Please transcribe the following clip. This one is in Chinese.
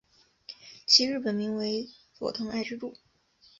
其日本名为佐藤爱之助。